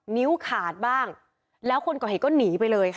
นิ้วขาดบ้างแล้วคนก่อเหตุก็หนีไปเลยค่ะ